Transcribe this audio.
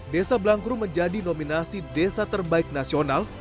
desa blangkrum menjadi nominasi desa terbaik nasional